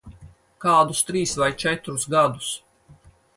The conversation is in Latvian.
Kādus trīs vai četrus gadus.